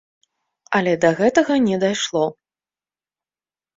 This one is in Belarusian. Але да гэтага не дайшло.